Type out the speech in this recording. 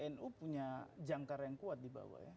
nu punya jangkar yang kuat di bawah ya